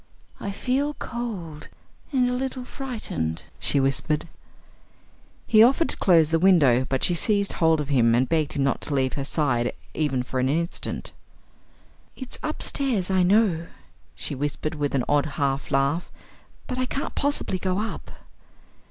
"I feel cold and a little frightened," she whispered. He offered to close the window, but she seized hold of him and begged him not to leave her side even for an instant. "It's upstairs, I know," she whispered, with an odd half laugh; "but I can't possibly go up."